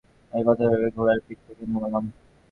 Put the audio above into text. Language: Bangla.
এই কথা ভেবে ঘোড়ার পিঠ থেকে নামলাম।